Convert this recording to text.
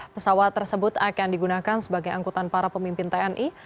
pesawat tersebut akan digunakan sebagai angkutan para pemimpin tni